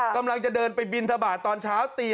กำลังจะเดินไปบินทบาทตอนเช้าตี